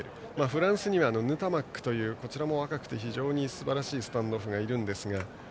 フランスにはもう１人こちらも若くて非常にすばらしいスタンドオフがいるんですが。